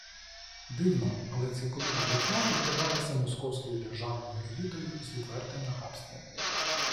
Дивно, але цілковита брехня підкидалася московською державною елітою з відвертим нахабством